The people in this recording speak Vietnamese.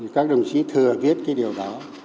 các đồng chí thừa viết cái điều đó